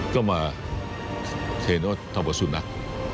ก็มาเห็นว่าทำกับสุนัข